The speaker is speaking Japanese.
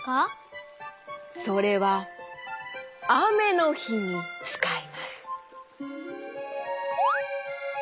それはあめのひにつかいます。